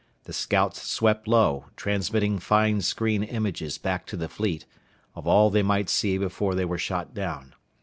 The scouts swept low, transmitting fine screen images back to the fleet, of all they might see before they were shot down.